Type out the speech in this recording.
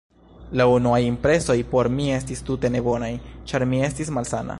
La unuaj impresoj por mi estis tute ne bonaj, ĉar mi estis malsana.